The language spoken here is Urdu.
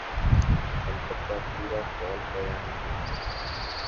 البتہ پورا قول بیان نہیں کیا۔